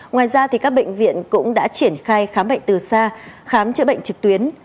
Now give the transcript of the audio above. ngoài ra các bệnh viện cũng đã triển khai khám bệnh từ xa khám chữa bệnh trực tuyến